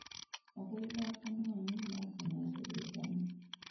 Amakulu ga Kamwano n’aKamweso ge gamu.